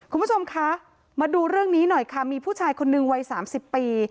คุณผู้ชมคะมาดูเรื่องนี้หน่อยค่ะมีผู้ชายคนนึงวัย๓๐ปี